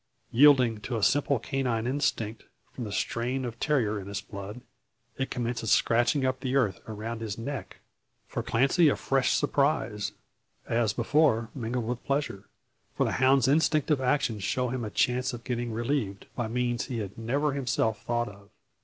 Yielding to a simple canine instinct, from the strain of terrier in its blood, it commences scratching up the earth around his neck! For Clancy a fresh surprise, as before mingled with pleasure. For the hound's instinctive action shows him a chance of getting relieved, by means he had never himself thought of.